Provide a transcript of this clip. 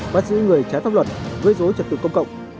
bắt giữ người trái pháp luật gây dối trật tự công cộng